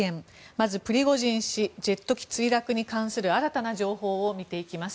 まず、プリゴジン氏ジェット機墜落に関する新たな情報を見ていきます。